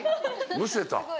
むせた？